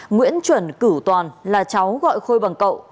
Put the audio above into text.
nguyễn chuẩn cử toàn là cháu gọi khôi bằng cậu